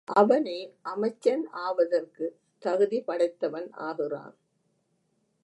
அவனே அமைச்சன் ஆவதற்குத தகுதி படைத்தவன் ஆகிறான்.